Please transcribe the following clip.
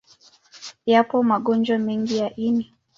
Yapo magonjwa mengi ya ini.